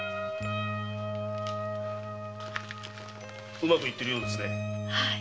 うまくいってるようですね。